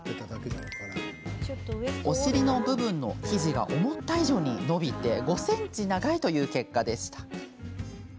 お尻の部分の生地が思った以上に伸び５ｃｍ長いという結果でした。